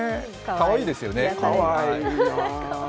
かわいいですよね。